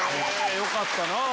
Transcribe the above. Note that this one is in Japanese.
よかったなぁ。